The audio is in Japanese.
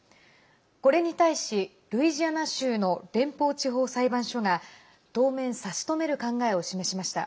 これに対し、ルイジアナ州の連邦地方裁判所が当面、差し止める考えを示しました。